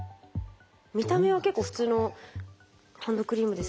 見た目は結構普通のハンドクリームですけど。